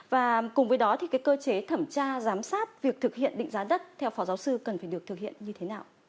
và cùng với đó thì cái cơ chế thẩm tra giám sát việc thực hiện định giá đất theo phó giáo sư cần phải được thực hiện như thế nào